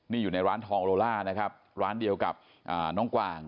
นี่อยู่ในร้านทองโลล่านะครับร้านเดียวกับน้องกวาง